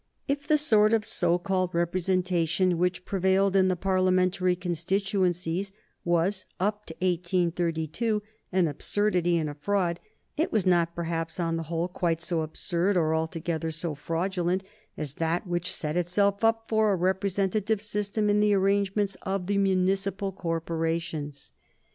If the sort of so called representation which prevailed in the Parliamentary constituencies was, up to 1832, an absurdity and a fraud, it was not perhaps on the whole quite so absurd or altogether so fraudulent as that which set itself up for a representative system in the arrangements of the municipal corporations.